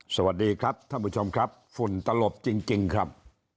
สวัสดีครับท่านผู้ชมครับฝุ่นตลบจริงครับ